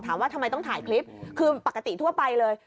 ทำไมต้องถ่ายคลิปคือปกติทั่วไปเลย